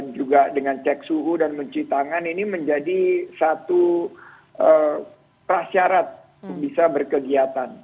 juga dengan cek suhu dan mencuci tangan ini menjadi satu prasyarat untuk bisa berkegiatan